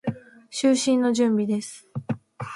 就寝の準備です。